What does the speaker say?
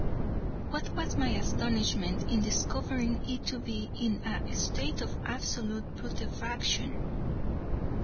What was my astonishment in discovering it to be in a state of absolute putrefaction!